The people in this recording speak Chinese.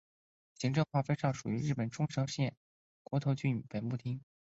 行政划分上属于日本冲绳县国头郡本部町。